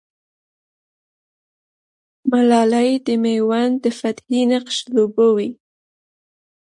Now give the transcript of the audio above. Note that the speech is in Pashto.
ملالۍ د مېوند د فتحې نقش لوبوي.